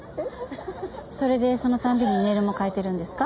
それでその度にネイルも変えてるんですか？